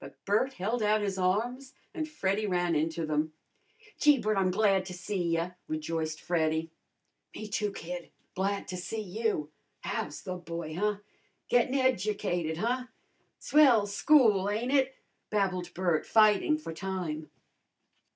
But Bert held out his arms and Freddy ran into them. "Gee, Bert, I'm glad to see ya!" rejoiced Freddy. "Me, too, kid, glad to see you! How's the boy, huh? Gettin' educated, huh? Swell school, ain't it?" babbled Bert, fighting for time.